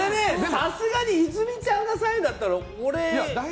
さすがに泉ちゃんが３位だったら俺。